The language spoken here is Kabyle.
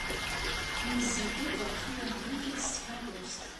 Yezzi-d akk ɣef uwanak s tkeṛṛust.